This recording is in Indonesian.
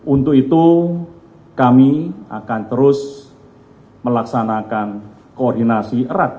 untuk itu kami akan terus melaksanakan koordinasi erat